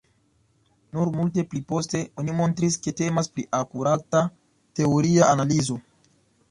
Nur multe pli poste oni montris, ke temas pri akurata teoria analizo.